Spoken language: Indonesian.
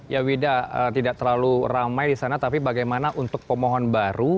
ya wida tidak terlalu ramai di sana tapi bagaimana untuk pemohon baru